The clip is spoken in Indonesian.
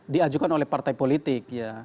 diajukan oleh partai politik